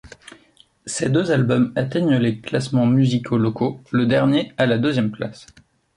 Ces deux albums atteignent les classements musicaux locaux, le dernier à la deuxième place.